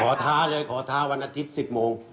ท้าเลยขอท้าวันอาทิตย์๑๐โมง